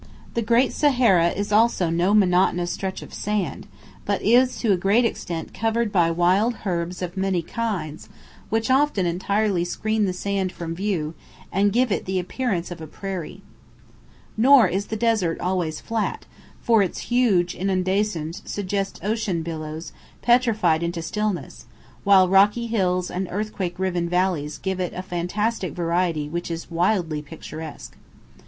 The great Sahara also is no monotonous stretch of sand, but is to a great extent covered by wild herbs of many kinds, which often entirely screen the sand from view, and give it the appearance of a prairie. Nor is the desert always flat, for its huge undulations suggest ocean billows petrified into stillness, while rocky hills and earthquake riven valleys give it a fantastic variety which is wildly picturesque.